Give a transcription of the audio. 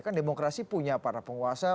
kan demokrasi punya para penguasa